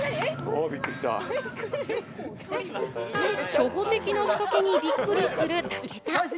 初歩的な仕掛けにびっくりする武田。